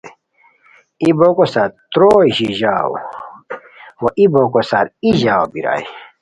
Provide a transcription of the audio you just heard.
ای بوکو سار تروئے ژیژاؤ وا ای بوکو سار ای ژاؤ بیرائے